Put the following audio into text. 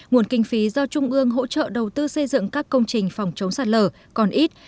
nguồn kinh phí do trung ương hỗ trợ đầu tư xây dựng các công trình phòng chống sạt lở còn ít